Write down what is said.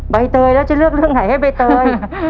ใบเตยแล้วจะเลือกเรื่องไหนให้ใบเตย